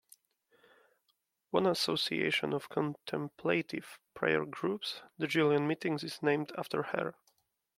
One association of contemplative prayer groups, The Julian Meetings, is named after her.